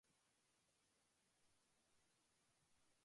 どんだけ文章の収集手伝えば話すの録音ができるの？